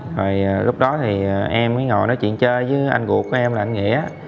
rồi lúc đó thì em mới ngồi nói chuyện chơi với anh duột của em là anh nghĩa